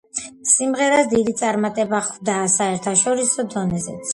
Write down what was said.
სიმღერას დიდი წარმატება ხვდა საერთაშორისო დონეზეც.